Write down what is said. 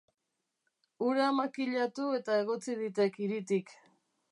Hura makilatu eta egotzi ditek hiritik.